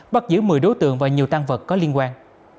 bắt giữ một mươi đối tượng và nhiều tăng vật có liên quan